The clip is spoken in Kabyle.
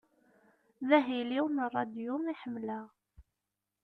D ahil-iw n ṛadyu i ḥemleɣ.